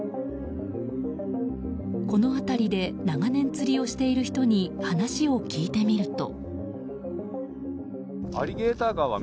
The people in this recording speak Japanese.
この辺りで長年釣りをしている人に話を聞いてみると。